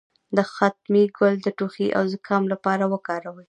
د ختمي ګل د ټوخي او زکام لپاره وکاروئ